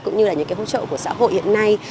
cũng như là những cái hỗ trợ của xã hội hiện nay